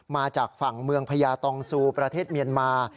มาจากฝั่งเมืองพญาตองซูประเทศเมียนมา